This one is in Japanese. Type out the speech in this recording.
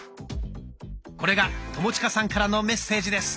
これが友近さんからのメッセージです。